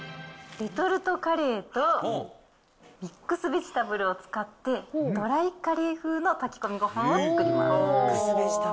レトルトカレーとミックスベジタブルを使って、ドライカレー風の炊き込みご飯を作ります。